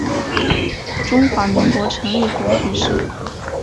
中华民国成立后去世。